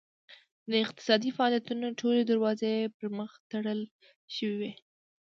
د اقتصادي فعالیتونو ټولې دروازې یې پرمخ تړل شوې وې.